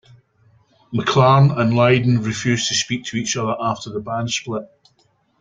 McLaren and Lydon refused to speak to each other after the band split.